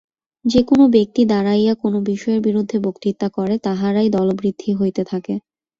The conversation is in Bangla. যে-কোন ব্যক্তি দাঁড়াইয়া কোন বিষয়ের বিরুদ্ধে বক্তৃতা করে, তাহারই দলবৃদ্ধি হইতে থাকে।